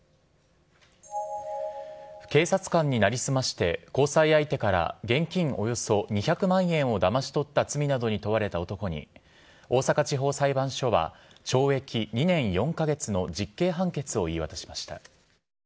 警察官に成り済まして交際相手から現金およそ２００万円をだまし取った罪などに問われた男に、大阪地方裁判所は、懲役２年４か月の実刑判決を言い渡しました。